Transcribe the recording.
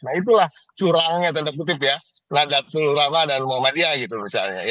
nah itulah curangnya tanda kutip ya terhadap seluruh ramah dan muhammadiyah gitu misalnya